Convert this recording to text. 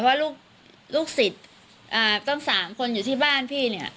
ว่าลูกศิษย์ตั้ง๓คนอยู่ที่บ้านพี่เนี่ย